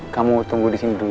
kamu tunggu disini dulu ya